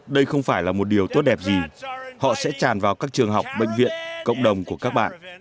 đây không phải là một điều tốt đẹp gì họ sẽ tràn vào các trường học bệnh viện cộng đồng của các bạn